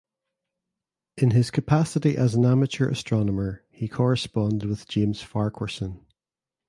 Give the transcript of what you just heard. In his capacity as an amateur astronomer he corresponded with James Farquharson.